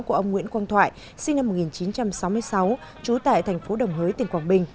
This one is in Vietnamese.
của ông nguyễn quang thoại sinh năm một nghìn chín trăm sáu mươi sáu trú tại thành phố đồng hới tỉnh quảng bình